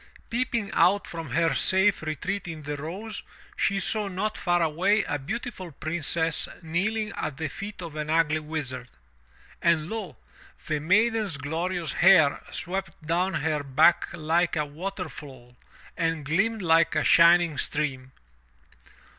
Peeping out from her safe retreat in the rose, she saw not far away a beautiful Princess kneeling at the feet of an ugly Wizard. And lo! the maiden's glorious hair swept down her back like a water fall and gleamed like a shining stream.